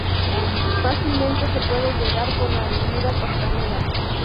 Fácilmente se puede llegar por la avenida Costanera.